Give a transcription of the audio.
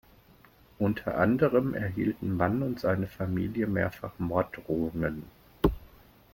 Unter anderem erhielten Mann und seine Familie mehrfach Morddrohungen.